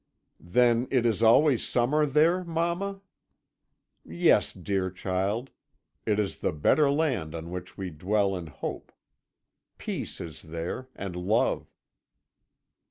"'Then it is always summer there, mamma?' "'Yes, dear child it is the better land on which we dwell in hope. Peace is there, and love.'